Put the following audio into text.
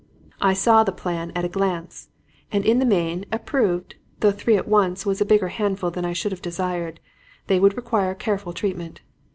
"I saw the plan at a glance, and, in the main, approved, though three at once was a bigger handful than I should have desired. They would require careful treatment.